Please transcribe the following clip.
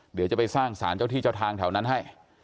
เดี๋ยวจะไปสร้างสารเจ้าที่เจ้าทางแถวนั้นให้